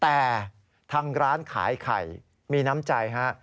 แต่ทางร้านขายไข่มีน้ำใจฮะ